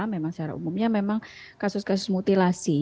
memang secara umumnya memang kasus kasus mutilasi